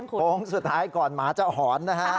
โคมสุดท้ายก่อนหมาจะหอน